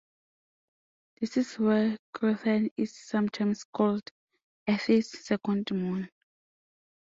This is why Cruithne is sometimes called "Earth's second moon".